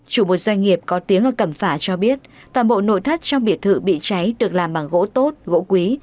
chủ một doanh nghiệp có tiếng ở cẩm phả cho biết toàn bộ nội thất trong biệt thự bị cháy được làm bằng gỗ tốt gỗ quý